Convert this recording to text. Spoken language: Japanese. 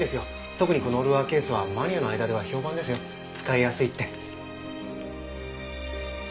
特にこのルアーケースはマニアの間では評判ですよ使いやすいって。